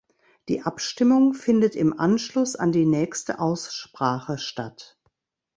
Die Abstimmung findet im Anschluss an die nächste Aussprache statt.